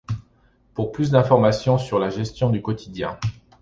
Pour plus d'informations sur la gestion du quotidien.